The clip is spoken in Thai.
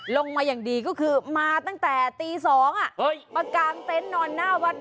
ลงมาอย่างดีก็คือมาตั้งแต่ตี๒มากางเต็นต์นอนหน้าวัด